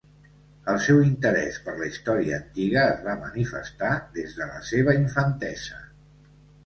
El seu interès per la història antiga es va manifestar des de la seva infantesa.